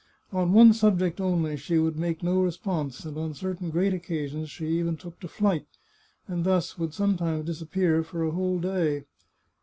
On one subject only she would make no response, and on certain great occasions she even took to flight, and thus would sometimes disappear for a whole day.